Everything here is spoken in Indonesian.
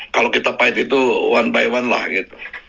kalau kita pahit itu one by one lah gitu